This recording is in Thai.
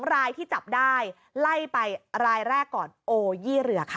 รายที่จับได้ไล่ไปรายแรกก่อนโอยี่เรือค่ะ